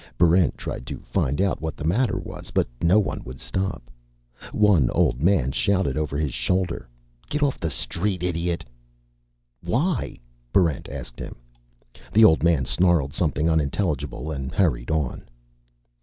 Barrent tried to find out what the matter was, but no one would stop. One old man shouted over his shoulder, "Get off the street, idiot!" "Why?" Barrent asked him. The old man snarled something unintelligible and hurried on.